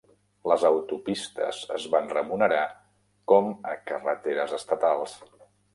Les autopistes es van renumerar com a carreteres estatals.